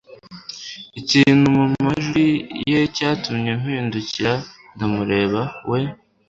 ikintu mumajwi ye cyatumye mpindukira ndamureba. we